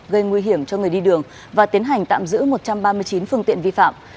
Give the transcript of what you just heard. gây nguy hiểm cho người đi đường và tiến hành tạm giữ một trăm ba mươi chín phương tiện vi phạm